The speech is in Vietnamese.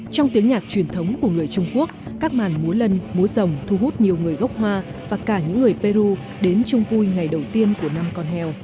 trong tiếng nhạc truyền thống của người trung quốc các màn múa lân múa rồng thu hút nhiều người gốc hoa và cả những người peru đến chung vui ngày đầu tiên của năm con heo